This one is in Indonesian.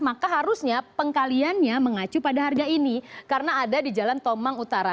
maka harusnya pengkaliannya mengacu pada harga ini karena ada di jalan tomang utara